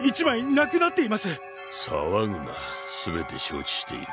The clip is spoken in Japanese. さわぐな全て承知している。